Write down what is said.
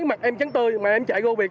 mặt em trắng tươi mà em chạy goviet